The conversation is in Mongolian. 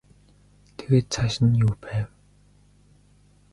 Тэгээд цааш нь юу байв?